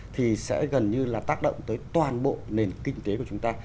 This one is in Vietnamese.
thì sẽ gần như là tác động tới toàn bộ nền kinh tế của chúng ta